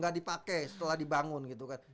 gak dipakai setelah dibangun gitu kan